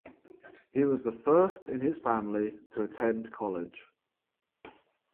He was the first in his family to attend college.